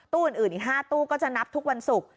อื่นอีก๕ตู้ก็จะนับทุกวันศุกร์